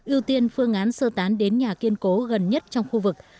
ưu tiên phương án sơ tán đến nhà kiên cố gần nhất trong khu vực